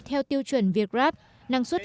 theo tiêu chuẩn việt gáp năng suất